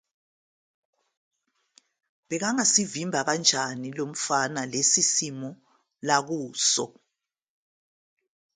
Ubengasivimba kanjani lo mfana lesi simo akuso?